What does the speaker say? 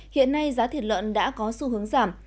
hiện nay giá thịt lợn đã có xu hướng giảm